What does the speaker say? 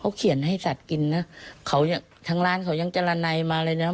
เขาเขียนให้สัตว์กินนะเขาทางร้านเขายังจรนัยมาเลยนะ